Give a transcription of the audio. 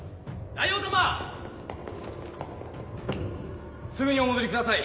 ・大王様・すぐにお戻りください。